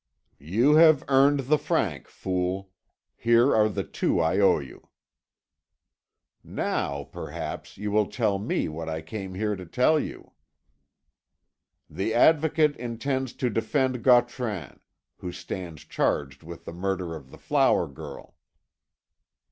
"You have earned the franc, fool. Here are the two I owe you." "Now, perhaps, you will tell me what I came here to tell you." "The Advocate intends to defend Gautran, who stands charged with the murder of the flower girl."